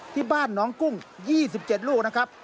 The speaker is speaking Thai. ที่บ้านน้องกุ้ง๒๗ลูกนะครับ